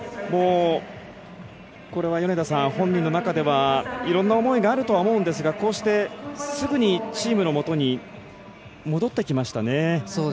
これは本人の中ではいろんな思いがあるとは思うんですがすぐにチームのもとに戻ってきましたね。